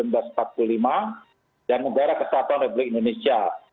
dan undara kesatuan republik indonesia